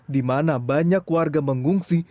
di mana banyak warga mengungsi